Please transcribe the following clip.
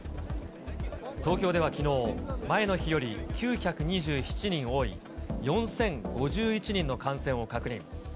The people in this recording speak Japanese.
東京ではきのう、前の日より９２７人多い、４０５１人の感染を確認。